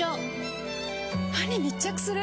歯に密着する！